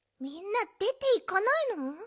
みんなでていかないの？